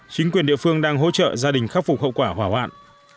chính quyền địa phương đang hỗ trợ gia đình khắc phục hậu quả hỏa hoạn